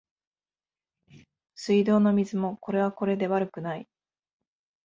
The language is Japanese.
水道の水もこれはこれで悪くない